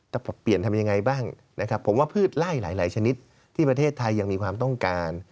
ปรับเปลี่ยนทำยังไงบ้างนะครับผมว่าพืชไล่หลายชนิดที่ประเทศไทยยังมีความต้องการ